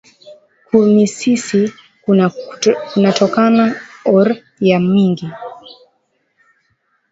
Ku misisi kuna tokaka or ya mingi